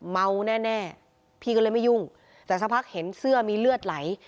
เมาแน่พี่ก็เลยไม่ยุ่งแต่สักพักเห็นเสื้อมีเลือดไหล